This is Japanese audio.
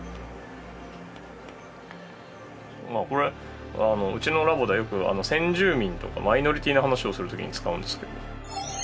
まあこれうちのラボではよく先住民とかマイノリティーの話をする時に使うんですけど。